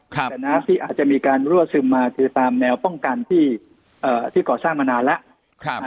แต่น้ำที่อาจจะมีการรั่วซึมมาคือตามแนวป้องกันที่ก่อสร้างมานานแล้ว